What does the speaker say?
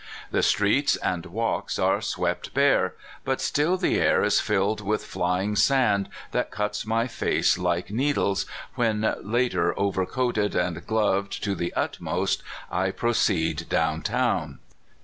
The streets and walks are swept THE CLIMATE OF CALIFORNIA. 211 hare, but still the air is filled with flying sand that cuts my face like needles, when, later, overcoated and gloved to the utmost, I proceed down town.